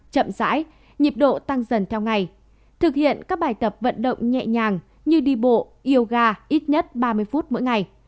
chậm rãi nhịp độ tăng dần theo ngày thực hiện các bài tập vận động nhẹ nhàng như đi bộ yoga ít nhất ba mươi phút mỗi ngày